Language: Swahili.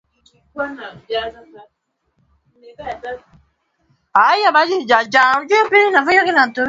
amewataka wananchi kutoogopa vita ingawa wameendelea kusisitiza matumaini ya nchi hiyo